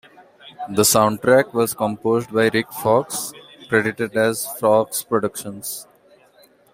The soundtrack was composed by Rick Fox, credited as Fox Productions.